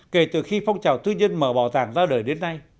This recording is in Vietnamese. kể từ khi phong trào tư nhân mở bảo tàng ra đời đến nay